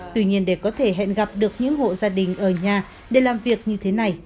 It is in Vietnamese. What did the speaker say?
tuy nhiên để có thể hẹn gặp được những hộ gia đình ở nhà để làm việc như thế này